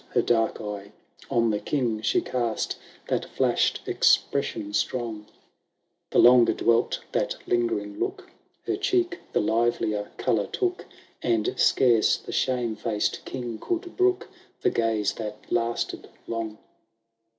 Her dark eye on the ELing she cast. 30 THB BRIDAL OF TRURMAIN. CcoUo I. That flashed expresaion strong ; The longer dwelt that Imgering look, Her cheek the livelier colour took. And scarce the shame faced King could brook The gaze that lasted long.